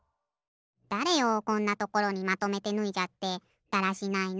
だれよこんなところにまとめてぬいじゃってだらしないな。